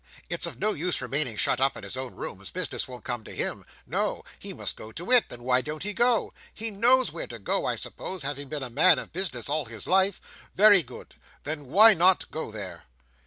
It's of no use remaining shut up in his own rooms. Business won't come to him. No. He must go to it. Then why don't he go? He knows where to go, I suppose, having been a man of business all his life. Very good. Then why not go there?"